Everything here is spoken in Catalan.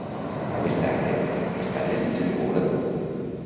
Vestager està defensant Google?